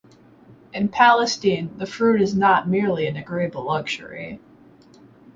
In Palestine, the fruit is not merely an agreeable luxury.